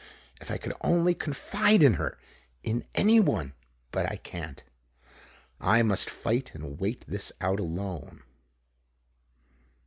If I could only confide in her! In anyone! But I can't. I must fight and wait this out alone.